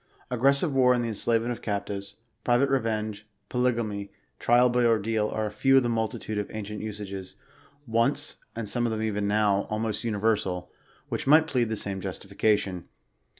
Aggres sive war and the enslavement of captives, private revenge, po lygamy, trial by ordeal, are a few of the multitude of ancient usages, once — and some of them even now — almost universal, which might plead the same justification.